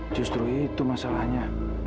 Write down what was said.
justru itu masalahnya